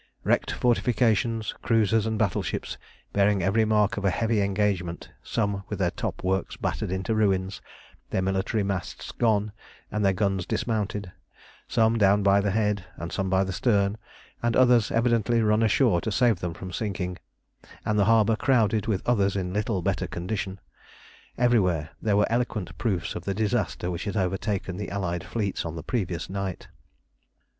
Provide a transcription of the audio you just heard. Wrecked fortifications, cruisers and battleships bearing every mark of a heavy engagement, some with their top works battered into ruins, their military masts gone, and their guns dismounted; some down by the head, and some by the stern, and others evidently run ashore to save them from sinking; and the harbour crowded with others in little better condition everywhere there were eloquent proofs of the disaster which had overtaken the Allied fleets on the previous night.